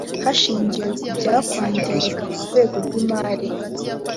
hashingiwe ku byakwangirika ku rwego rw imari